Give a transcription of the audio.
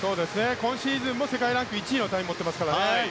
今シーズンも世界ランキング１位のタイムを持っています。